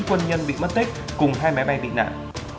bốn quân nhân bị mất tích cùng hai máy bay bị nạn